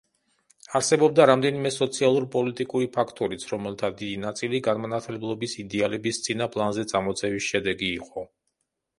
არსებობდა რამდენიმე სოციალურ-პოლიტიკური ფაქტორიც, რომელთა დიდი ნაწილი განმანათლებლობის იდეალების წინა პლანზე წამოწევის შედეგი იყო.